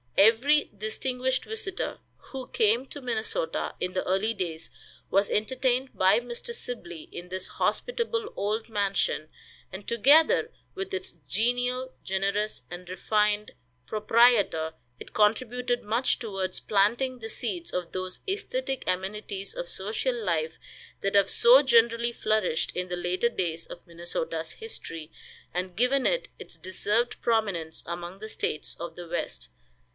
Every distinguished visitor who came to Minnesota in the early days was entertained by Mr. Sibley in this hospitable old mansion, and, together with its genial, generous and refined proprietor, it contributed much towards planting the seeds of those aesthetic amenities of social life that have so generally flourished in the later days of Minnesota's history and given it its deserved prominence among the states of the West.